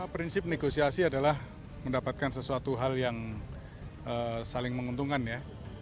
prinsip negosiasi adalah mendapatkan sesuatu hal yang saling menguntungkan ya